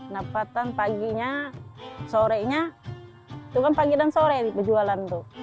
nampakkan paginya sorenya itu kan pagi dan sore di pejualan itu